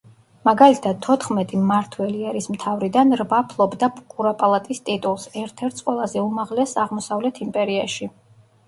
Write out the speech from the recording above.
მაგალითად, თოთხმეტი მმართველი ერისმთავრიდან რვა ფლობდა კურაპალატის ტიტულს, ერთ-ერთს ყველაზე უმაღლესს აღმოსავლეთ იმპერიაში.